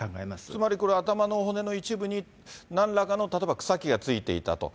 つまりこれ、頭の骨の一部に、なんらかの例えば草木が付いていたと。